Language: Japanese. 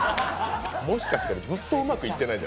もしかして、ずっとうまくいってない？